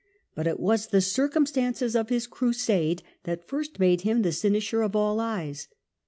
But it was the circumstances of his Crusade that first made him the cynosure of all eyes.